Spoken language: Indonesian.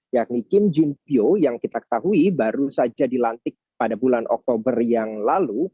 yakni kim jun pyo yang kita ketahui baru saja dilantik pada bulan oktober yang lalu